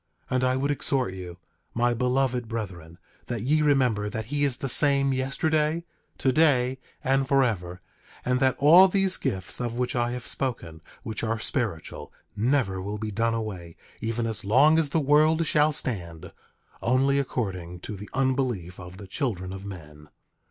10:19 And I would exhort you, my beloved brethren, that ye remember that he is the same yesterday, today, and forever, and that all these gifts of which I have spoken, which are spiritual, never will be done away, even as long as the world shall stand, only according to the unbelief of the children of men.